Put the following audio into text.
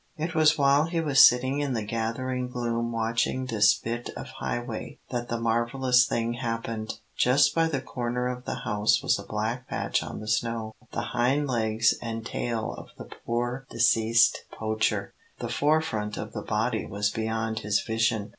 It was while he was sitting in the gathering gloom watching this bit of highway, that the marvellous thing happened. Just by the corner of the house was a black patch on the snow, the hind legs and tail of the poor deceased Poacher. The fore part of the body was beyond his vision.